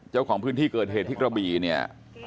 เจ้าของพื้นที่เกิดเหตุที่กระบี่เนี่ย